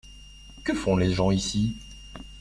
Que font les gens ici ?